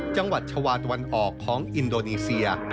จังหวัดชาวานตะวันออกของอินโดนีเซีย